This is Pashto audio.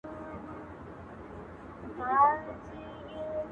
پلار ورو ورو کمزوری کيږي ډېر,